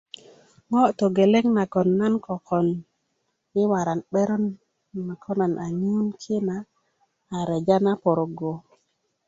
ŋo' togeleŋ nagon na kokon I waran 'beron ko nan a ŋiyen ki na a reja na porogo